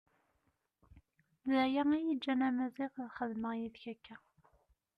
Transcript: D aya iyi-iǧǧan a Maziɣ ad xedmeɣ yid-k akka.